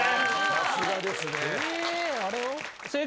さすがですね。